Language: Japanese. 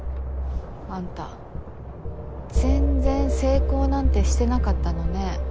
あんた全然成功なんてしてなかったのね。